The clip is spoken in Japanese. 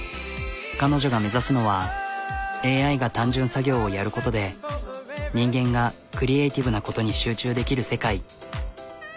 彼女が目指すのはＡＩが単純作業をやることで人間がクリエーティブなことに集中できる世界。